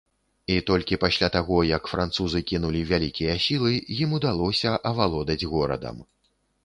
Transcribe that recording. І толькі пасля таго, як французы кінулі вялікія сілы, ім удалося авалодаць горадам.